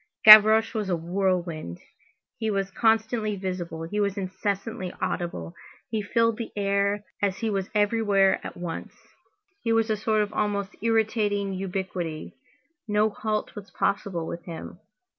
Gavroche was a whirlwind. He was constantly visible, he was incessantly audible. He filled the air, as he was everywhere at once. He was a sort of almost irritating ubiquity; no halt was possible with him.